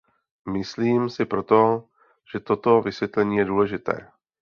Myslím si proto, že toto vysvětlení je důležité.